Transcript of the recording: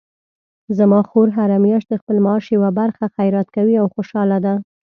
زما خور هره میاشت د خپل معاش یوه برخه خیرات کوي او خوشحاله ده